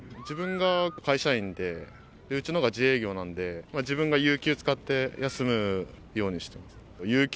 自分が会社員で、うちのが自営業なんで、自分が有休使って休むようにしてます。